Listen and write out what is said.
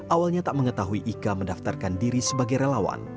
awalnya tak mengetahui ika mendaftarkan diri sebagai relawan